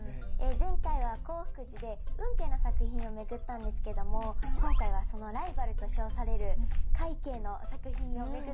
前回は興福寺で運慶の作品を巡ったんですけども今回はそのライバルと称される快慶の作品を巡っていきたいと思います！